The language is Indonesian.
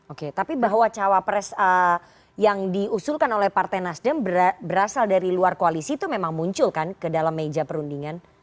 oke tapi bahwa cawapres yang diusulkan oleh partai nasdem berasal dari luar koalisi itu memang muncul kan ke dalam meja perundingan